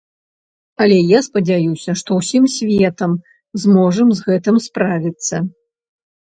Але я спадзяюся, што ўсім светам зможам з гэтым справіцца.